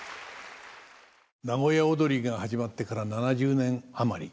名古屋をどりが始まってから７０年余り。